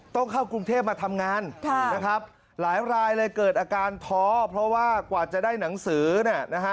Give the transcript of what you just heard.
ต้องเข้ากรุงเทพมาทำงานนะครับหลายรายเลยเกิดอาการท้อเพราะว่ากว่าจะได้หนังสือเนี่ยนะฮะ